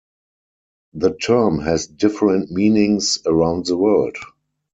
The term has different meanings around the world.